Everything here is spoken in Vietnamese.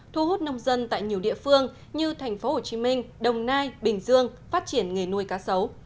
thu hút nông dân tại nhiều địa phương như thành phố hồ chí minh đồng nai bình dương phát triển nghề nuôi cá sấu